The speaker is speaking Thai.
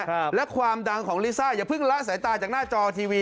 ครับและความดังของลิซ่าอย่าเพิ่งละสายตาจากหน้าจอทีวี